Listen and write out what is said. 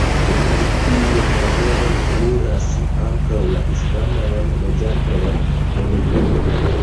Ene de tiuj tavoloj eniras ankaŭ la hispanajn loĝantojn en Kubo.